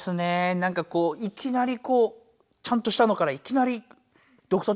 なんかこういきなりこうちゃんとしたのからいきなりどくそう